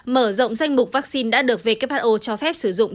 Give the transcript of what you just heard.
mở rộng danh mục vaccine đã được who cho phép sử dụng